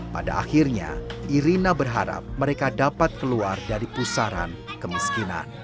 pada akhirnya irina berharap mereka dapat keluar dari pusaran kemiskinan